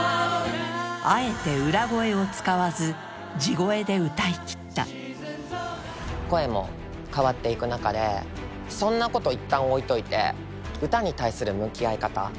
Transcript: あえてで歌いきった声も変わっていく中でそんなこといったん置いといて歌に対する向き合い方。